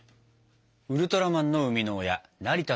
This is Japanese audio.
ウルトラマンの生みの親成田亨さん。